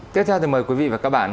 tiếp theo thì mời quý vị và các bạn